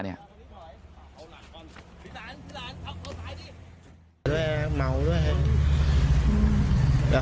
แล้วเขาหูแว่วไง